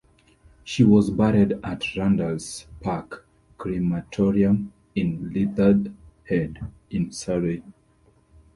She was buried at Randalls Park Crematorium in Leatherhead in Surrey.